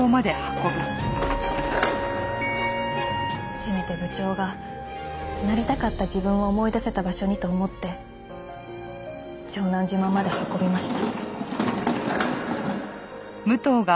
せめて部長がなりたかった自分を思い出せた場所にと思って城南島まで運びました。